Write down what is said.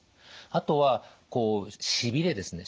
あとはしびれですね。